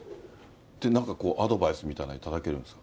なんかこう、アドバイスみたいなの頂けるんですか？